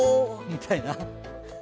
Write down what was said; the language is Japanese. みたいな。